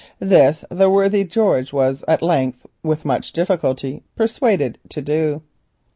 This the worthy George was at length with much difficulty persuaded to do.